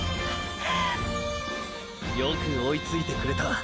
よく追いついてくれた。